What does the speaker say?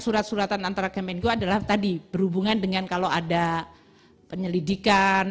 surat suratan antara kemenko adalah tadi berhubungan dengan kalau ada penyelidikan